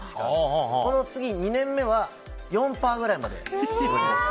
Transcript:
この次２年目は４％ぐらいまで絞りました。